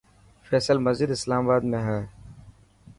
فيصل مسجد اسلام آباد ۾ هي.